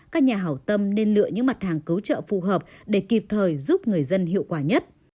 các nhà hảo tâm nên lựa những mặt hàng cứu trợ phù hợp để kịp thời giúp người dân hiệu quả nhất